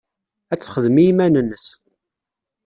Ad texdem i yiman-nnes.